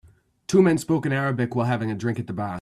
Two men spoke in Arabic while having a drink at the bar.